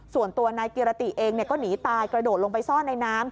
ส่วนตัวนายกิรติเองก็หนีตายกระโดดลงไปซ่อนในน้ำ